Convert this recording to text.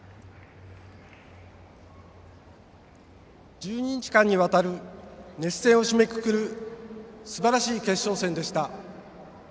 １２日間にわたる熱戦を締めくくるすばらしい決勝戦でした。